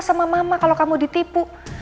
sama mama kalau kamu ditipu